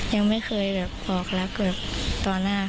ยังไม่เคยแบบบอกรักเกือบตอนหน้าค่ะ